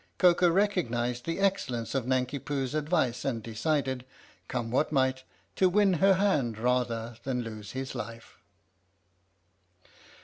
Koko recognized the excellence of Nanki Poo's advice and decided, come what might, to win her hand rather than lose his life.